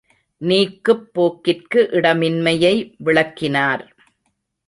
நீக்குப் போக்கிற்கு இடமின்மையை விளக்கினார்.